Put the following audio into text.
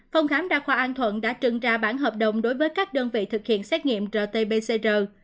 phòng khám đa khoa an thuận đã trừng ra bản hợp đồng đối với các đơn vị thực hiện xét nghiệm rt pcr